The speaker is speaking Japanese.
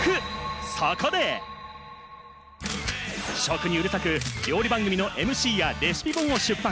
そこで、食にうるさく、料理番組のＭＣやレシピ本を出版。